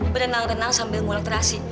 berenang renang sambil ngulaterasi